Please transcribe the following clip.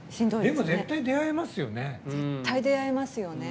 でも絶対、出会えますよね。